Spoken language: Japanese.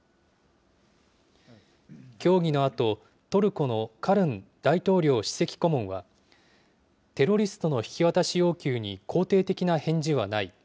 協議のあと、トルコのカルン大統領首席顧問は、テロリストの引き渡し要求に肯定的な返事はない。